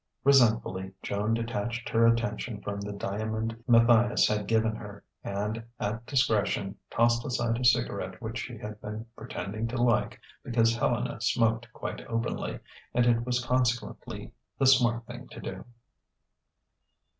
Resentfully, Joan detached her attention from the diamond Matthias had given her, and at discretion tossed aside a cigarette which she had been pretending to like because Helena smoked quite openly, and it was consequently the smart thing to do.